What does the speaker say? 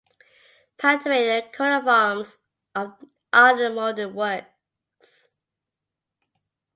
Paterae and coats of arms are the modern works.